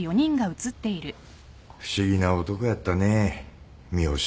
不思議な男やったねぇ三星